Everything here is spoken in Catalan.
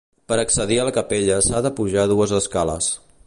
Per accedir a la capella s'ha de pujar dues escales.